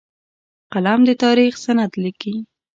قلم د تاریخ سند لیکي